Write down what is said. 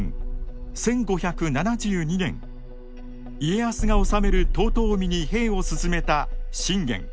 家康が治める遠江に兵を進めた信玄。